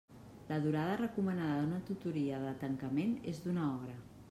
La durada recomanada d'una tutoria de tancament és d'una hora.